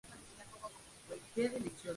Fue enterrado en St.